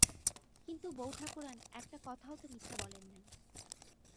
কিন্তু বউঠাকরুন একটা কথাও তো মিথ্যা বলেন নাই।